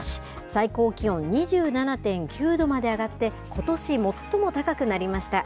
最高気温２７．９度まで上がって、ことし最も高くなりました。